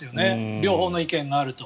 両方の意見があると。